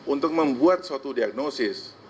untuk membuat suatu diagnosis